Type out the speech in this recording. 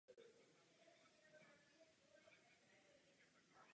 Obec leží u hranic departementu Ardensko s departementem Marne.